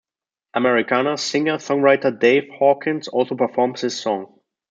Americana Singer Songwriter Dave Hawkins also performs this song.